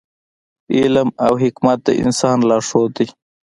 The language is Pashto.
علم او حکمت د انسان لارښود دی.